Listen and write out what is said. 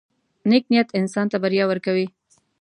• نیک نیت انسان ته بریا ورکوي.